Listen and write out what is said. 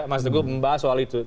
mas teguh membahas soal itu